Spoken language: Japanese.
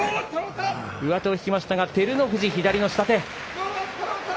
上手を引きましたが、照ノ富士、左の下手。